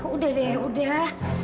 udah deh udah